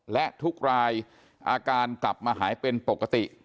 และทุกรายอาการกลับมาหายเป็นปกติ